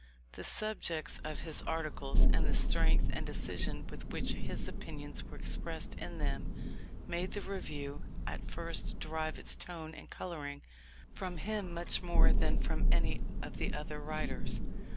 The subjects of his articles, and the strength and decision with which his opinions were expressed in them, made the Review at first derive its tone and colouring from him much more than from any of the other writers.